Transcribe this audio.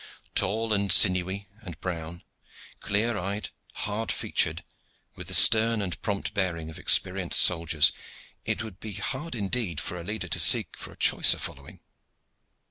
Tall and sinewy, and brown, clear eyed, hard featured, with the stern and prompt bearing of experienced soldiers, it would be hard indeed for a leader to seek for a choicer following.